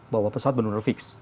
bahwa pesawat benar benar fix